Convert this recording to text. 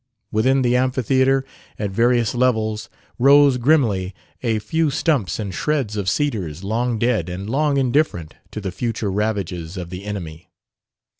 Within the amphitheatre, at various levels, rose grimly a few stumps and shreds of cedars long dead and long indifferent to the future ravages of the enemy.